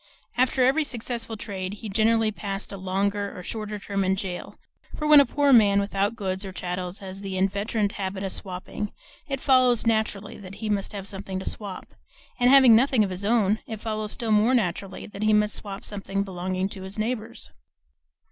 After every successful trade he generally passed a longer or shorter term in jail; for when a poor man without goods or chattels has the inveterate habit of swapping, it follows naturally that he must have something to swap; and having nothing of his own, it follows still more naturally that he must swap something belonging to his neighbors.